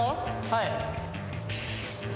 はい。